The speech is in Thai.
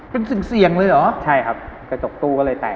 เป็นสิ่งเสี่ยงเลยเหรอใช่ครับกระจกตู้ก็เลยแตก